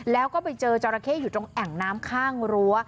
แล้วก็ไปเจอจราเข้อยู่ตรงแอ่งน้ำข้างรั้ว